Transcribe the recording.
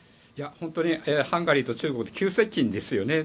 本当にハンガリーと中国急接近ですよね。